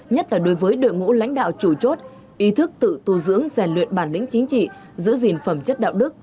nhất là đối với đội ngũ lãnh đạo chủ chốt ý thức tự tu dưỡng rèn luyện bản lĩnh chính trị giữ gìn phẩm chất đạo đức